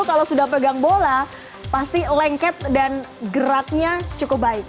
tapi kalau dipegang bola pasti lengket dan geraknya cukup baik